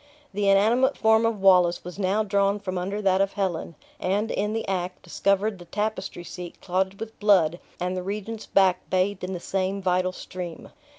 The inanimate form of Wallace was now drawn from under that of Helen; and, in the act, discovered the tapestry seat clotted with blood, and the regent's back bathed in the same vital stream.